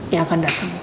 yang akan datang